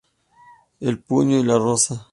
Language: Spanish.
El puño y la rosa